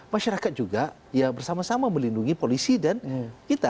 masyarakat juga ya bersama sama melindungi polisi dan kita